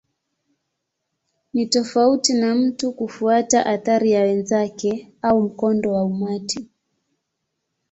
Ni tofauti na mtu kufuata athari ya wenzake au mkondo wa umati.